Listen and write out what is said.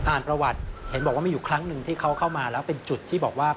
ประวัติเห็นบอกว่ามีอยู่ครั้งหนึ่งที่เขาเข้ามาแล้วเป็นจุดที่บอกว่า